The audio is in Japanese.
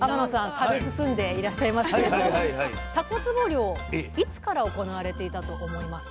食べ進んでいらっしゃいますけれどもたこつぼ漁いつから行われていたと思いますか？